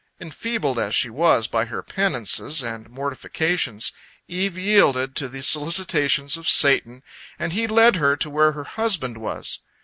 Enfeebled as she was by her penances and mortifications, Eve yielded to the solicitations of Satan, and he led her to where her husband was.